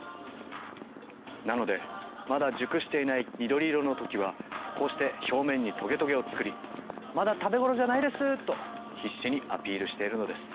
なのでまだ熟していない緑色の時はこうして表面にトゲトゲを作り「まだ食べ頃じゃないです」と必死にアピールしているのです。